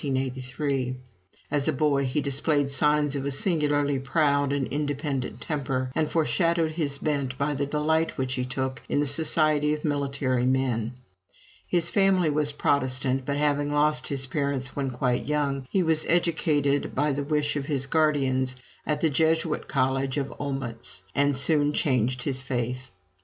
As a boy, he displayed signs of a singularly proud and independent temper, and foreshowed his bent by the delight which he took in the society of military men. His family was Protestant; but having lost his parents when quite young, he was educated, by the wish of his guardians, at the Jesuit college of Olmutz, and soon changed his faith.